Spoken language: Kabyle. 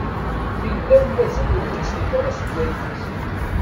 Tindaw mazal ur kkisent ara seg wallen-is.